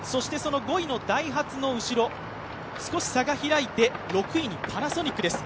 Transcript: ５位のダイハツの後ろ、少し差が開いて６位にパナソニックです。